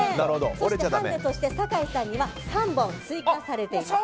そして、ハンデとして酒井さんには３本追加されています。